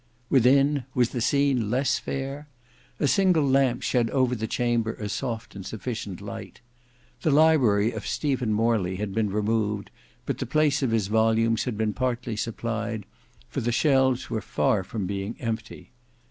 Within—was the scene less fair? A single lamp shed over the chamber a soft and sufficient light. The library of Stephen Morley had been removed, but the place of his volumes had been partly supplied, for the shelves were far from being empty.